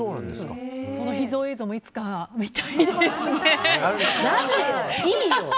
その秘蔵映像もいつか見たいですね。